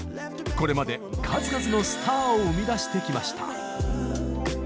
これまで数々のスターを生み出してきました。